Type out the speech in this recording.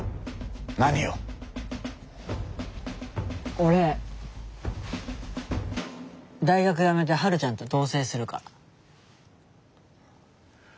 俺大学やめて春ちゃんと同棲するから。